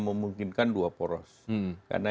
memungkinkan dua poros karena